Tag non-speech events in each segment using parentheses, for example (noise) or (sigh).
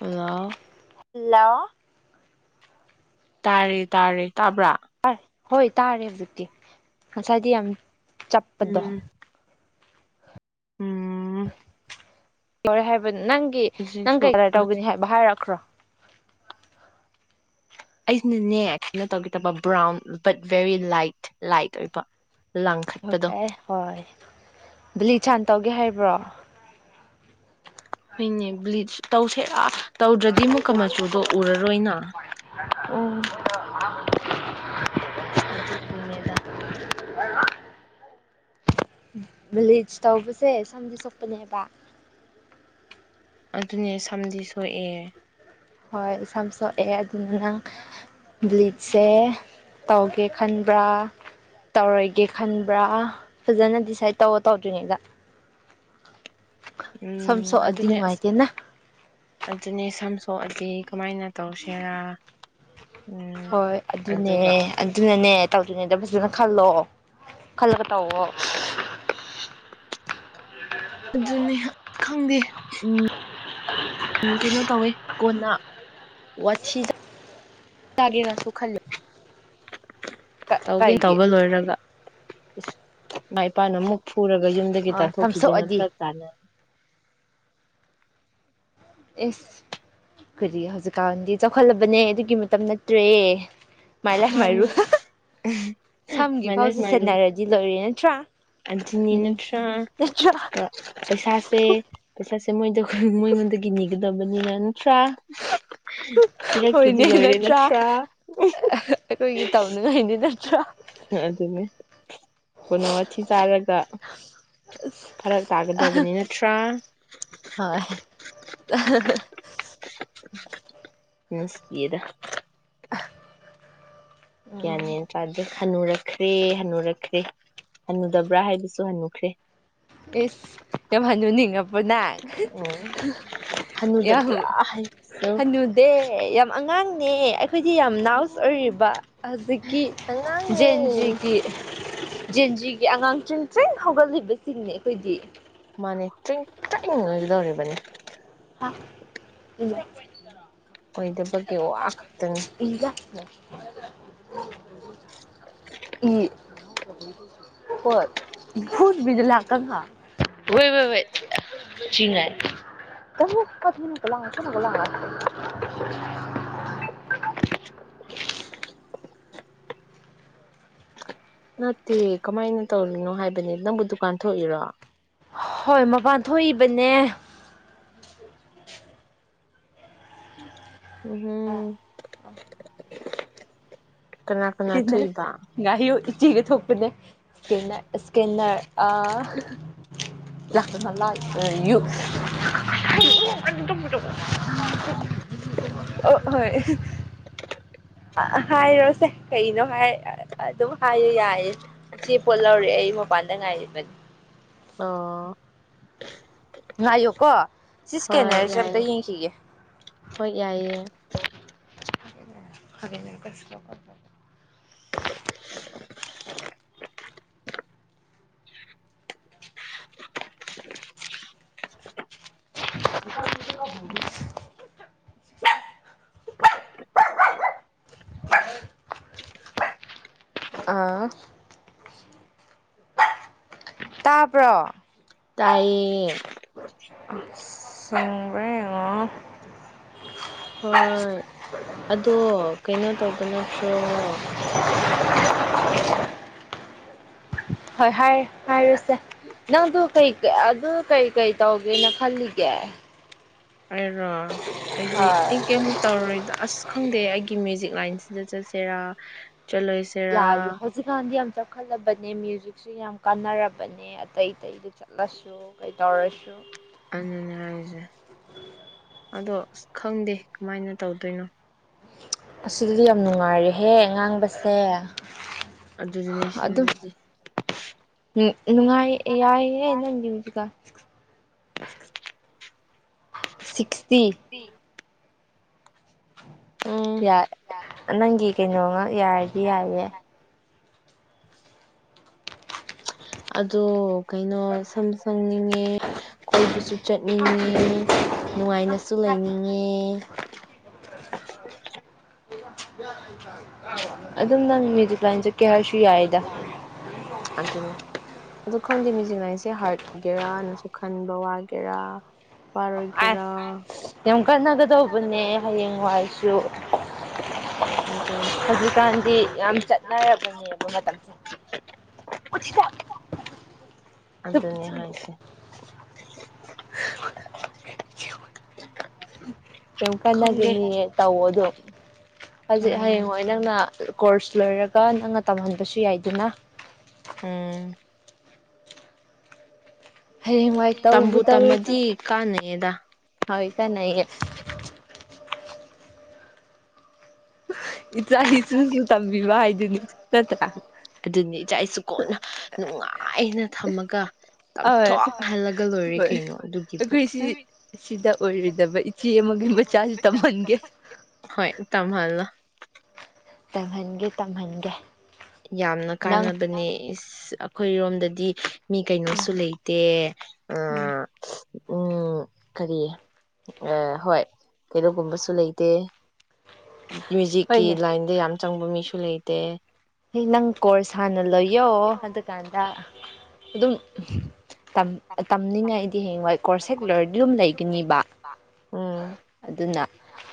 Hello hello ꯇꯥꯔꯦ ꯇꯥꯔꯦ ꯇꯥꯕ꯭ꯔꯥ ꯑꯥꯏ ꯍꯣꯏ ꯇꯥꯔꯦ ꯍꯧꯖꯤꯛꯇꯤ ꯉꯁꯥꯏꯗꯤ ꯌꯥꯝ ꯆꯞꯄꯗꫭ ꯎꯝ ꯎꯝ ꯃꯔꯦ ꯍꯥꯏꯕ ꯅꯪꯒꯤ ꯅꯪ ꯍꯧꯖꯤꯛꯁꯨ ꯀꯩ (unintelligible) ꯔꯥꯏ ꯇꯧꯒꯅꯤ ꯍꯥꯏꯕ ꯍꯥꯏꯔꯛꯈ꯭ꯔꯣ ꯑꯩꯅꯅꯦ ꯏꯩꯅ ꯀꯩꯅꫭ ꯇꯧꯒꯦ ꯇꯕ brown but very light light ꯑꯣꯏꯕ ꯂꯥꯡꯈꯠꯄꯗꯣ ꯍꯣꯏꯦ ꯍꯣꯏ ꯂꯤ ꯏꯁꯥꯟ ꯇꯧꯒꯦ ꯍꯥꯏꯕ꯭ꯔꯣ ꯍꯏꯅꯦ ꯕ꯭ꯂꯤ ꯇꯧꯁꯦꯔꯥ ꯎꯝ ꯑꯗꯨꯒꯤꯅꯦꯗ ꯚꯂꯤꯖ ꯇꯧꯕꯁꯦ ꯁꯝꯗꯤ ꯁꯣꯛꯄꯅꯦ ꯍꯥꯏꯕ ꯑꯗꯨꯅꯦ ꯁꯝꯗꯤ ꯁꯣꯛꯑꯦ ꯍꯣꯏ ꯏꯁꯝ ꯁꯣꯛꯑꯦ ꯑꯗꯨꯅ ꯅꯪ ꯕ꯭ꯂꯤꯠꯁꯦ ꯇꯧꯒꯦ ꯈꯟꯕ꯭ꯔꯥ ꯇꯧꯔꯣꯏꯒꯦ ꯈꯟꯕ꯭ꯔꯥ ꯐꯖꯅ ꯗꯤꯁꯥꯏꯠ ꯇꯧꯔ ꯇꯧꯗ꯭ꯔꯤꯉꯩꯗ ꯁꯝ ꯎꯝ ꯁꯣꯛꯑꯗꯤ ꯑꯗꯨꯅꯦ ꯑ ꯅꯨꯡꯉꯥꯏꯇꯦꯅ ꯑꯗꯨꯅꯦ ꯁꯝ ꯁꯣ ꯑꯩꯗꯒꯤ ꯀꯃꯥꯏꯅ ꯇꯧꯁꯤꯦꯔꯥ ꯍꯣꯏ ꯑꯗꯨꯅꯦ ꯑꯗꯨꯅꯅꯦ ꯇꯧꯗꯣꯏꯅꯦꯗ ꯑꯗꯨꯅ ꯈꯜꯂꯣꯑꯣ ꯈꯜꯂꯒ ꯇꯧꯑꯣꯣ ꯑꯗꯨꯅꯤ ꯈꯪꯗꯦ ꯎꯝ ꯎ ꯀꯩꯅꯣ ꯇꯧꯋꯦ ꯀꯣꯟꯅ ꯋꯥꯊꯤ ꯆꯥꯒꯦꯅꯁꯨ ꯈꯜꯂꯤ ꯇꯧꯒꯦ ꯀꯩꯒꯤ ꯇꯧꯕ ꯂꯣꯏꯔꯒ ꯥꯏ ꯄ ꯅꯃꯨꯛ ꯐꯔꯒ ꯌꯨꯝꯗꯒꯤ ꯑꯥ ꯇꯥꯟꯊꯣꯛꯈꯤꯗꯅ ꯁꯝꯁꯣꯛꯑꯗꯤ ꯐꯔ ꯇꯥꯅꯩ ꯑꯦꯁ ꯑꯩꯈꯗꯤ ꯍꯧꯖꯤꯛꯀꯥꯟꯗꯤ ꯆꯥꯎꯈꯠꯂꯕꯅꯦ ꯑꯗꯨꯒꯤ ꯃꯇꯝ ꯅꯠꯇ꯭ꯔꯦ ꯃꯥꯏꯂꯥ ꯃꯥꯅꯤ ꯃꯔꯨ ꯁꯝꯒꯤ ꯐꯥꯎꯁꯦ ꯁꯦꯟꯅꯔꯗꯤ ꯂꯣꯏꯔꯦꯅ ꯆ ꯅꯤ ꯅꯠꯇ꯭ꯔꯥ ꯄꯩꯁꯥꯁꯦ ꯄꯩꯁꯥꯁꯦ ꯃꯣꯏꯉꯣꯟꯗꯅꯤ ꯀꯗꯕꯅꯤ ꯂꯅ ꯭ꯔꯥ ꯀꯔ ꯀꯦꯖꯤ ꯍꯣꯏꯅꯦ ꯂꯣꯏꯔꯤ ꯅꯠꯇ꯭ꯔꯥ ꯂꯆ꯭ꯔꯥ ꯑꯩꯈꯣꯏꯒꯤ ꯇꯧꯅꯉꯥꯏꯅꯦ ꯅꯠꯇ꯭ꯔꯥ ꯑꯗꯨꯅꯤ ꯀꯅꯣ ꯋꯥꯊꯤ ꯆꯥꯔꯒ ꯐꯔꯛ ꯇꯥꯒꯗꯕꯅꯤ ꯅꯠꯇ꯭ꯔꯥ ꯍꯣꯏ ꯅꯁꯤ ꯌꯦꯗ (inaudible) ꯅꯤꯗ ꯍꯟꯅꯨꯔꯛꯈ꯭ꯔꯦ ꯍꯟꯅꯨꯔꯛꯈ꯭ꯔꯦ ꯍꯟꯅꯨꯗꯕ꯭ꯔꯥ ꯍꯥꯏꯕꯁꯨ ꯍꯟꯅꯨꯈ꯭ꯔꯦ ꯑꯦꯁ ꯌꯥꯝ ꯍꯟꯅꯨꯅꯤꯡꯉꯄꯅꯦ ꯎꯝ ꯌꯥꯝ ꯍꯟꯅꯨꯗꯕ꯭ꯔꯥ ꯍꯥꯏꯕꯁꯨ ꯍꯅꯨꯗꯦ ꯌꯥꯝ ꯑꯉꯥꯡ ꯅꯦ ꯑꯩꯈꯣꯏꯗꯤ ꯌꯥꯝ ꯅꯥꯎꯁ ꯎꯝ ꯑꯣꯏꯔꯤꯕ ꯍꯧꯖꯤꯛꯀꯤ ꯑꯉꯥꯡꯅꯦ ꯖꯦꯟꯖꯤꯒꯤ ꯖꯦꯟꯖꯤꯒꯤ ꯑꯉꯥꯡꯁꯤꯡ ꯇꯦꯟ ꯍꯧꯒꯠꯂꯤꯕꯁꯤꯦ ꯁꯤꯁꯤꯡꯅꯦ ꯑꯩꯈꯣꯏꯗꯤ ꯇ ꯇꯗꯧꯔꯦꯅꯤ ꯑ ꯑꯣꯏꯗꯕꯒꯤꯦ ꯑꯣ ꯑꯥ ꯈꯛꯇꯅꯦ (inaudible) ꯏ ꯍꯣꯏ ꯏꯐꯨ ꯅꯨꯕꯤꯗ ꯂꯥꯛꯀ ꯉꯥꯛ ꯍꯣꯏ ꯣꯏ ꯣꯏ ꯆꯤꯡꯉꯥꯏ ꯇ ꯀꯅ ꯀ ꯂꯥꯡ ꯀꯅꯒ ꯂꯥꯡ (inaudible) ꯅꯠꯇꯦ ꯀꯃꯥꯏꯅ ꯇꯧꯔꯤꯅꯣ ꯍꯥꯏꯕꯅꯤ ꯅꯪꯕꯨ ꯗꯨꯀꯥꯟ ꯊꯣꯛꯏꯔꯣ ꯍꯣꯏ ꯃꯄꯥꯟ ꯊꯣꯛꯏꯕꯅꯦ꯫ ꯎꯝꯍꯨꯝ ꯀꯅꯥ ꯀꯅꯥ ꯁ꯭ꯀꯦꯟꯅꯔ ꯊꯣꯛꯏꯕ ꯉꯥꯍꯨ ꯏꯆꯦꯒ ꯊꯣꯛꯄꯅꯦ ꯁ꯭ꯇꯦꯅꯔ ꯁ꯭ꯀꯦꯟꯅꯔ ꯑ ꯂꯥꯛ ꯑꯌꯨꯛ ꯑꯣ ꯍꯣꯏ꯫ ꯑ ꯍꯥꯏꯔꯣꯁꯦ ꯀꯩꯅꯣ ꯍꯥꯏ ꯑꯗꯨꯝ ꯍꯥꯏꯌꯨ ꯌꯥꯏꯌꯦ ꯏꯆꯦ ꯄꯣꯠ ꯂꯧꯔꯑꯦ ꯑꯩ ꯃꯄꯥꯟꯗ ꯉꯥꯏꯔꯤꯕꯅꯤ꯫ ꯑꯥ ꯉꯏꯌꯣ ꯀꯣ ꯍꯣꯏ ꯌꯥꯏꯑꯦ ꯍꯣꯏ ꯌꯥꯏꯑꯦ ꯐꯔ ꯀꯁ ꯂ (unintelligible) (inaudible) ꯑꯥ ꯇꯥꯕ꯭ꯔꯣ ꯇꯥꯏꯌꯦ ꯁꯦꯡꯕ꯭ꯔꯥ ꯌꯦꯡꯉꯣ꯫ ꯍꯣꯏ ꯑꯗꯣ ꯀꯩꯅꯣ ꯇꯧꯕ ꯅꯠꯇ꯭ꯔꯣ꯫ ꯍꯣꯏ ꯍꯥꯏ ꯍꯥꯏꯔꯣꯁꯦ ꯅꯪꯗꯨ ꯀ ꯑꯗꯨ ꯀꯩ ꯀꯩ ꯇꯧꯒꯦꯅ ꯈꯜꯂꯤꯒꯦ꯫ ꯑꯩꯔꯣ ꯑꯩꯗꯤ ꯑꯩ ꯍꯣꯏ ꯀꯩꯝ ꯇꯧꯔꯣꯏꯗ ꯑꯁ ꯈꯪꯗꯦ ꯑꯩꯒꯤ ꯃ꯭ꯌꯨꯖꯤꯛ ꯂꯥꯏꯟꯁꯤ ꯖꯢ (unintelligible) ꯆꯠꯁꯦꯔ ꯌꯥꯏ ꯍꯧꯖꯤꯛꯀꯥꯟꯗꯤ ꯌꯥꯝꯆꯥ ꯆꯥꯎꯈꯠꯂꯕꯅꯦ ꯃ꯭ꯌꯨꯖꯤꯛꯁꯦ ꯌꯥꯝ ꯀꯥꯟꯅꯔꯕꯅꯦ ꯑꯇꯩ ꯑꯇꯩꯗ ꯆꯠꯂꯁꯨ ꯀꯩꯗꯧꯔꯁꯨ꯫ ꯑꯗꯨꯅꯦ ꯍꯥꯏꯔꯤꯁꯦ ꯑꯗꯣ ꯑꯁ ꯈꯪꯗꯦ꯫ ꯀꯃꯥꯏꯅ ꯇꯧꯗꯣꯏꯅꯣ ꯑꯁꯤꯗꯗꯤ ꯌꯥꯝ ꯅꯨꯡꯉꯥꯏꯔꯦꯍꯦ ꯉꯥꯡꯕꯁꯦ ꯑꯗꯨꯗꯨꯅꯦ ꯑꯗꯨ ꯁꯤꯗꯗꯤ ꯎꯝ ꯅꯨꯡꯉꯥꯏ ꯌꯥꯏꯌꯦ ꯅꯪꯒꯤ ꯌꯥꯏꯅꯦꯗꯤ ꯍꯧꯖꯤꯛꯀ ꯁꯤꯛꯁꯇꯤ ꯎꯝ ꯌꯥ ꯅꯪꯒꯤ ꯀꯩꯅꯣ ꯉ ꯌꯥꯔꯗꯤ ꯌꯥꯏꯌꯦ꯫ ꯑꯗꯣ ꯀꯩꯅꯣ ꯁꯝ ꯁꯪꯅꯤꯡ ꯏ ꯀꯣꯏꯕꯁꯨ ꯁꯨ ꯆꯠꯅꯤꯡꯉꯦ ꯅꯨꯡꯉꯥꯏꯅꯁꯨ ꯂꯩꯅꯤꯡꯉꯦ꯫ (unintelligible) ꯑꯗꯨꯝ ꯅꯪ ꯃ꯭ꯌꯨꯖꯤꯛ ꯂꯥꯏꯟ ꯆꯠꯀꯦ ꯍꯥꯏꯔꯁꯨ ꯌꯥꯏꯗ ꯑꯗꯨꯅ‌ꯦ꯫ ꯑꯗꯨ ꯈꯪꯗꯦ ꯃ‌꯭ꯌꯨꯖꯤꯛ ꯂꯥꯏꯟ ꯁꯦ ꯍꯥꯠꯒ‌ꯦꯔ ꯅꯠꯇ꯭ꯔꯥ ꯈꯟꯕ ꯋꯥꯒꯦꯔꯥ ꯑꯁ ꯋꯥꯔꯣꯏꯒꯦꯔꯥ꯫ ꯌꯥꯝ ꯀꯟꯅꯒꯗꯧꯕꯅꯦ ꯀꯅꯒꯗꯧꯕꯅꯦ ꯍꯌꯦꯡꯋꯥꯏꯁꯨ (unintelligible) ꯑꯗꯨꯅꯤ꯫ ꯍꯧꯖꯤꯛꯀꯥꯟꯗꯤ ꯌꯥꯝ ꯆꯠꯅꯔꯕꯅꯦꯕ ꯃꯇꯝꯁꯦ꯫ ꯄꯨ꯫ ꯑꯗꯨꯅꯦ ꯍꯥꯏꯁꯦ ꯌꯥꯝ ꯈꯪꯗꯦ ꯀꯟꯅꯒꯅꯤꯌꯦ ꯇꯧꯑꯣꯗꯨꯝ ꯍꯧꯖꯤꯛ ꯍꯌꯦꯡ ꯎꯝ ꯋꯥꯏ ꯅꯪꯅ꯫ ꯀꯣꯔꯁ ꯂꯣꯏꯔꯒ ꯅꯪꯅ ꯇꯝꯍꯟꯅꯤ꯫ ꯑꯗꯨꯁꯨ ꯌꯥꯏꯗꯅ ꯎꯝ ꯍꯌꯦꯡꯋꯥꯥꯏ ꯇꯧꯕꯨ ꯇꯧꯔꯗꯤ ꯌꯦꯗꯥ ꯍꯣꯏ ꯀꯥꯟꯅꯌꯦ (inaudible) ꯏꯁꯨꯁꯨ ꯇꯝꯕꯤꯕ ꯍꯥꯏꯗꯨꯅꯤ ꯅꯠꯇ꯭ꯔꯥ ꯑꯗꯨꯅꯤ ꯏꯆꯥ ꯏꯁꯨ ꯀꯣꯟꯅ ꯅꯨꯡꯉꯥꯏꯅ ꯊꯝꯃꯒ ꯑꯣꯏ ꯌꯥꯝꯊꯣꯛꯍꯜꯂꯒ ꯂꯣꯏꯔꯦ ꯍꯣꯏ ꯀꯩꯅꯣ ꯑꯗꯨꯒꯤꯕꯨ ꯑꯩꯈꯣꯏꯁꯤ ꯁꯤꯗ ꯑꯣꯏꯔꯣꯏꯗꯕ ꯏꯆꯦ ꯑꯃꯒꯤ ꯃꯆꯥꯁꯨ ꯇꯝꯍꯟꯒꯦ ꯍꯣꯏ ꯇꯝꯍꯜꯂ (inaudible) ꯇꯝꯍꯟꯒꯦ ꯇꯝꯍꯟꯒꯦ ꯌꯥꯝꯅ ꯅꯪ ꯀꯥꯟꯅꯕꯅꯦ ꯑꯩꯈꯣꯏꯔꯣꯝꯗꯗꯤ ꯃꯤ ꯀꯩꯅꯣꯁꯨ ꯂꯩꯇꯦ ꯑ꯫ ꯎꯝ ꯎꯝ ꯀꯔꯤ ꯍꯣꯏ ꯀꯩꯩꯅꯣꯒꯨꯝꯕꯁꯨ ꯂꯩꯇꯦ꯫ ꯃ꯭ꯌꯨꯖꯤꯛꯀꯤ ꯍꯣꯏꯅꯦ ꯂꯥꯏꯟꯗ ꯌꯥꯝ꯫ ꯆꯪꯕ ꯃꯤꯁꯨ ꯂꯩꯇꯦ꯫ ꯍꯩ ꯅꯪ ꯀꯣꯔꯁ ꯍꯥꯟꯅ ꯂꯣꯏꯌꯣ ꯑꯗꯨꯀꯥꯟꯗ꯫ ꯑꯗꯨꯝ ꯇꯝ-ꯇꯝꯅꯤꯡꯉꯥꯏ꯫ ꯍꯌ‌ꯦꯡꯋꯥꯏ ꯀꯣꯔꯁ ꯂꫭꯏꯔꯗꯤ ꯑꯗꯨꯝ ꯂꯩꯒꯅꯤꯕ꯫ ꯎꯝ ꯑꯗꯨꯅ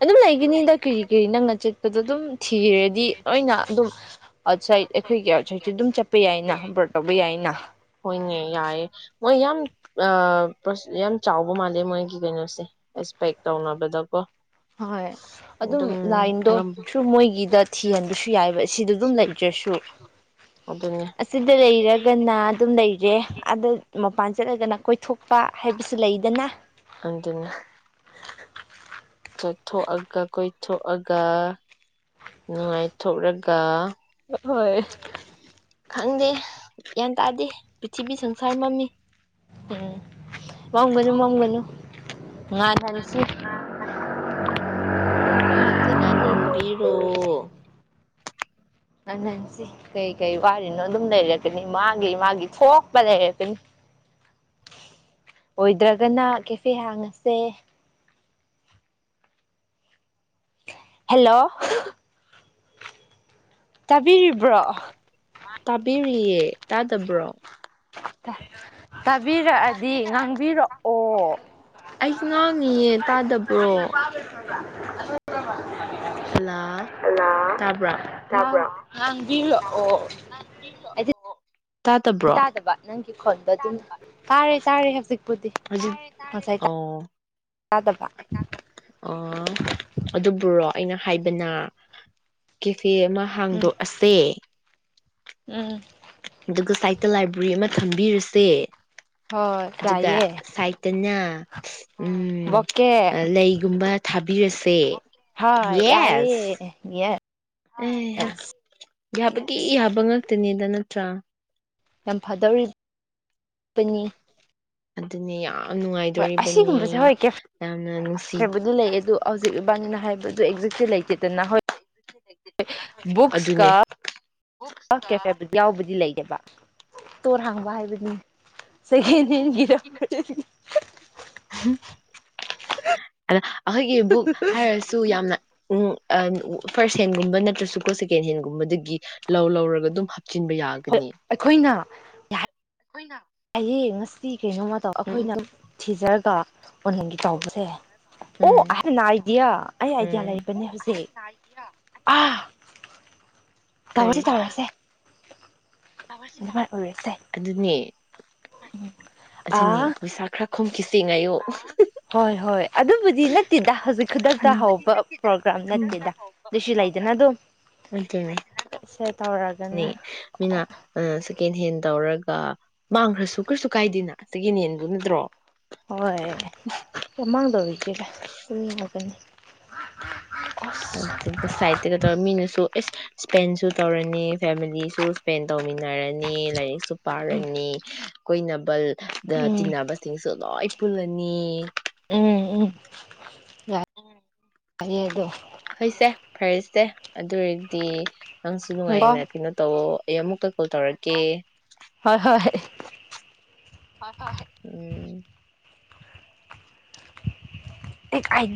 ꯑꯗꯨꯝ ꯂꯩꯒꯅꯤꯗ ꯀꯔꯤ ꯀꯔꯤ ꯅꯪꯅ ꯆꯠꯄꯗ ꯑꯗꯨꯝ ꯊꯤꯔꯗꯤ ꯂꯣꯏꯅ ꯑꯗꯨꯝ ꯑꯥꯎꯠꯁꯥꯏꯠ ꯑꯩꯈꯣꯏꯒꯤ ꯑꯥꯎꯠꯁꯥꯏꯠꯁꯨ ꯑꯗꯨꯝ ꯆꯠꯄ ꯌꯥꯏꯅ ꯑꯕꯔꯣꯠ ꯇꯧꯕ ꯌꯥꯏꯅ꯫ ꯍꯣꯏꯅꯦ ꯌꯥꯏꯌꯦ ꯌꯥꯝ ꯑꯑ꯫ ꯄꯔꯁ ꯌꯥꯝꯅ ꯆꯥꯎꯕ ꯃꯥꯜꯂꯦ ꯃꯣꯏꯒꯤ ꯀꯩꯅꯣꯁꯦ꯫ ꯄꯦꯛ ꯇꯧꯅꯕꯗ꯫ ꯫ ꯍꯣꯏ ꯑꯗꯨꯝ ꯂꯥꯏꯟꯗꯣ ꯁꯨꯝ ꯃꯣꯏꯒꯤꯗ ꯊꯤꯍꯟꯕꯁꯨ ꯌꯥꯏꯑꯕ ꯁꯤ ꯑꯗꯨꯝ ꯂꯩꯗ꯭ꯔꯁꯨ ꯑꯗꯨꯅꯤ ꯑꯁꯤꯗ ꯂꯩꯔꯒꯅ ꯑꯗꯨꯝ ꯂꯩꯔꯦ ꯑꯗ ꯃꯄꯥꯟ ꯆꯠꯂꯒꯅ ꯀꯣꯏꯊꯣꯛ ꯄ ꯍꯥꯏꯕꯁꯨ ꯂꯩꯗꯅ ꯑꯗꯨꯅꯦ ꯆꯠꯊꯣꯛꯑꯒ ꯀꯣꯏꯊꯣꯛꯑꯒ꯫ ꯅꯨꯡꯉꯥꯏꯊꯣꯛꯂꯒ ꯍꯣꯏ ꯈꯪꯗꯦ ꯭ꯟ ꯇꯥꯗꯦ ꯄ꯭ꯔꯤꯊꯤꯕꯤ ꯁꯪꯁꯥꯔ ꯃꯃꯤ ꯎꯝ ꯃꯥꯡꯒꯅꯨ ꯃꯥꯡꯒꯅꯨ ꯉꯥ ꯊꯟꯁꯤ (inaudible) ꯃꯥꯁꯨ ꯉꯥꯟ ꯍꯟꯕꯤꯔꯣ ꯑꯍꯟꯁꯤ ꯀꯩ ꯀꯩ ꯋꯥꯔꯤꯅꯣ ꯑꯗꯨꯝ ꯂꯩꯔꯛꯀꯅꯤ ꯃꯥꯒꯤ ꯃꯥꯒꯤ ꯊꯣꯛꯄ ꯂꯩꯔꯀꯅꯤ ꯑꯣꯏꯗ꯭ꯔꯒꯅ ꯀꯦꯐꯦ ꯍꯥꯡꯉꯁꯦ ꯍꯦꯜꯂꯣ ꯇꯥꯕꯤꯔꯤꯕ꯭ꯔꯣ ꯇꯥꯕꯤꯔꯤꯌꯦ ꯇꯥꯗꯕ꯭ꯔꯣ ꯇ ꯇꯥꯕꯤꯔꯛꯑꯗꯤ ꯉꯥꯡꯕꯤꯔꯛꯑꯣ ꯑꯩ ꯉꯥꯡꯉꯤꯌꯦ ꯇꯥꯗꯕ꯭ꯔꯣ ꯍꯜꯂꯥ ꯑ ꯇꯥꯕ꯭ꯔꯥ ꯆꯄ꯭ꯔꯣ ꯏꯜꯂꯑꯣ ꯑꯣ ꯇꯥꯗꯕ ꯅꯪꯒꯤ ꯈꯣꯟꯕ ꯑꯗꯨꯝ ꯇꯥꯔꯦ ꯇꯥꯔꯦ ꯍꯧꯖꯤꯛꯄꯨꯗꯤ ꯍꯧꯖꯤꯛ ꯉꯁꯥꯏ ꯑꯣ ꯇꯥꯗꯕ ꯑꯣ ꯑꯗꯨꯕꯨꯨꯔꯣ ꯑꯩꯅ ꯍꯥꯏꯕꯅ ꯆꯦ ꯑꯃ ꯎꯝ ꯍꯥꯡꯗꯣꯛꯑꯁꯦ ꯎꯝ ꯑꯗꯨꯒ ꯁꯥꯏꯠꯇ ꯂꯥꯏꯕ꯭ꯔꯦꯔꯤ ꯑꯃ ꯊꯝꯕꯤꯔꯁꯦ ꯍꯣꯏ ꯑꯗꯨꯒ ꯌꯥꯏꯌꯦ ꯁꯥꯏꯇꯅ ꯑ ꯎꯝ ꯕꯣꯀꯦ ꯂꯩꯒꯨꯝꯕ ꯊ ꯕꯤꯔꯁꯦ ꯍ ꯌꯥꯑꯌꯦ ꯌꯦ ꯑꯦ ꯌꯥꯕꯗꯤ ꯌꯥꯕ ꯉꯥꯛꯇꯅꯦ ꯅꯅꯠꯇ꯭ꯔꯥ ꯌꯥꯝ ꯐꯗꯧꯔꯤꯅꯤ ꯑꯗꯨꯅꯦ ꯌꯥꯝ ꯅꯨꯡꯉꯥꯏꯗꯣꯔꯤꯕꯅꯤ ꯌꯥꯝꯅ ꯅꯨꯡ ꯍꯥꯏꯕꯗꯨ ꯂꯩ ꯑꯗꯨꯣ ꯍꯧꯖꯤꯛ ꯏꯕꯥꯅꯤꯅ ꯍꯥꯏꯕ ꯛ ꯂꯩꯇꯦꯅ ꯕꯨꯛꯁ ꯑꯗꯨꯅꯦ ꯀ ꯀꯦꯐꯦꯕꯨ ꯌꯥꯎꯕꯨꯗꯤ ꯂꯩꯒꯦꯕ ꯇꯣꯔ ꯍꯥꯡꯕ ꯍꯥꯏꯕꯅꯤ ꯁꯒꯒꯤꯔ ꯑꯩꯈꯣꯏꯒꯤ ꯕꯨꯛ ꯍꯥꯏꯔꯁꯨ ꯌꯥꯝꯅ ꯎ ꯐꯥꯔꯁꯠ ꯍꯦꯟꯒꯨꯝꯕ ꯅꯠꯇ꯭ꯔꯁꯨꯀꯣ ꯁꯦꯀꯦꯟ ꯍꯦꯟꯒꯨꯝꯕꯗꯒꯤ ꯂꯧ ꯂꯧꯔꯒ ꯑꯗꯨꯝ ꯍꯥꯞꯆꯤꯟꯕ ꯍꯣꯏ ꯌꯥꯒꯅꯤ ꯑꯩꯈꯣꯏꯅ ꯍꯅ ꯑꯌꯦꯌꯦ ꯃꯁꯇ ꯀꯔꯤꯒꯨꯝ ꯃꯇ ꯃꯇꯝꯧ ꯑꯩꯈꯣꯏꯅ ꯊꯤꯖꯔꯒ ꯑꯣꯅꯒꯤ ꯇꯥꯎꯕꯁꯦ ꯑꯣ ꯎꯝ ꯍꯥꯏꯅ ꯑꯥꯏꯗꯤꯌꯥ ꯑꯩ ꯑꯥꯏꯗꯤꯌꯥ ꯎꯝ ꯂꯩꯔꯛꯄꯅꯦ ꯍꯧꯖꯤꯛ ꯑ ꯇꯧꯔꯁꯤ ꯀꯔꯤ ꯇꯧꯔꯁꯦ ꯑꯗꯨꯃꯥꯏꯅ ꯑꯣꯏꯔꯁꯦ ꯑꯗꯨꯅꯦ ꯑꯗꯨꯅꯦ ꯑꯥ ꯄꯩꯁꯥ ꯈꯔ ꯈꯣꯨꯝꯈꯤꯁꯤꯉꯥꯏꯌꯨ ꯍꯣꯏ ꯍꯣꯏ ꯑꯗꯨꯕꯨꯗꯤ ꯅꯠꯇꯦꯗ ꯍꯧꯖꯤꯛ ꯈꯨꯗꯛꯇ ꯍꯧꯕ ꯄ꯭ꯔꯣꯒ꯭ꯔꯥꯝ ꯅꯠꯇꯦꯗ ꯑꯗꯨꯁꯨ ꯂꯩꯗꯅ ꯑꯗꯨꯝ ꯑꯗꯨꯅꯦ ꯁꯦ ꯇꯧꯔꯒꯅ ꯆꯀꯦꯟ ꯍꯦꯟ ꯇꯧꯔꯒ ꯃꯥꯡꯈ꯭ꯔꯁꯨ ꯀꯩꯁꯨ ꯀꯥꯏꯗꯦꯅ ꯆꯀꯦꯟ ꯍꯦꯟꯗꯨ ꯅꯠꯇ꯭ꯔꯣ ꯍꯣꯏ ꯃꯃꯥꯡꯗꯕꯤ ꯑꯗꯨꯗꯅꯤ ꯁꯥꯏꯗꯒ ꯇꯧ ꯃꯤꯅꯁꯨ ꯁꯄꯦꯟꯁꯨ ꯇꯧꯔꯅꯤ ꯐꯦꯃꯤꯂꯤꯁꯨ ꯁꯄꯦꯟ ꯇꯧꯃꯤꯟꯅꯔꯅꯤ ꯂꯥꯏꯔꯤꯛꯁꯨ ꯄꯔꯅꯤ ꯀꯣꯏꯏꯕꯜ ꯗ ꯎꯝ ꯇꯤꯕꯁꯤꯡꯁꯨ ꯂꯣꯏ ꯄꯨꯂꯅꯤ ꯎꯝ ꯎꯝ ꯌꯥꯏ ꯌꯦ ꯑꯗꯨ ꯍꯣꯏꯁꯦ ꯐꯔꯦꯁꯦ ꯑꯗꯨꯔꯗꯤ ꯅꯪꯁꯨ ꯍꯣꯏꯀꯣ ꯅꯨꯡꯉꯥꯏꯅꯦ ꯀꯩꯅꯣ ꯇꯧ ꯑꯩ ꯑꯃꯨꯛꯀ ꯀꯣꯜ ꯇꯧꯔꯛꯀꯦ ꯍꯣꯏ ꯍꯣꯏ ꯍ ꯍ ꯎꯝ ꯑꯥꯏꯗꯤꯌꯥ